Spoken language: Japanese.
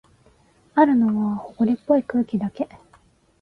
あるのは、ほこりっぽい空気だけ。